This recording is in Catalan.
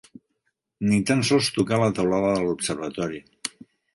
Ni tan sols tocà la teulada de l'observatori